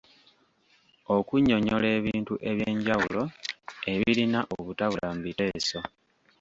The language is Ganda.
Okunnyonnyola ebintu eby'enjawulo ebirina obutabula mu biteeso.